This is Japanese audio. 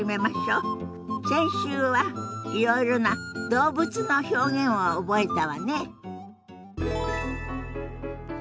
先週はいろいろな動物の表現を覚えたわね。